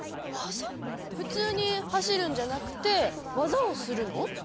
ふつうにはしるんじゃなくてワザをするの？